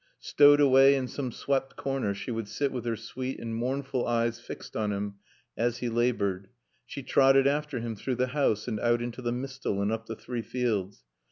Stowed away in some swept corner, she would sit with her sweet and sorrowful eyes fixed on him as he labored. She trotted after him through the house and out into the mistal and up the Three Fields.